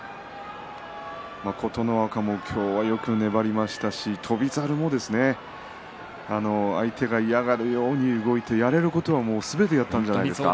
琴ノ若もよく粘りましたし翔猿も相手が嫌がるように動いてやれることはすべてやったんじゃないですか。